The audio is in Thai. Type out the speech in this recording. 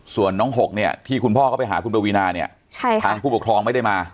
ส่วนน้อง๖ที่คุณพ่อก็ไปหาคุณปวีนาทางผู้ปกครองไม่ได้มา